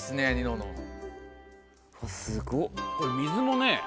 これ水もね